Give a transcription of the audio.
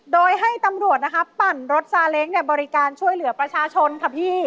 โดยให้ตำรวจนะคะปั่นรถซาเล้งเนี่ยบริการช่วยเหลือประชาชนค่ะพี่